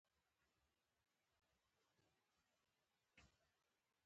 آیا د حیواني سرې کارول ګټور دي؟